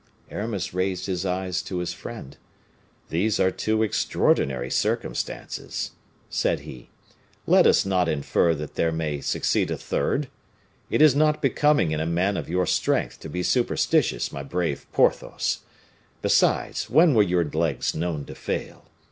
Aramis raised his eyes to his friend: "These are two extraordinary circumstances," said he; "let us not infer that there may succeed a third. It is not becoming in a man of your strength to be superstitious, my brave Porthos. Besides, when were your legs known to fail?